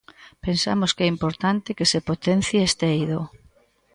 Pensamos que é importante que se potencie este eido.